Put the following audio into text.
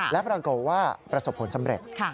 และปรากฏว่าประสบผลสำเร็จ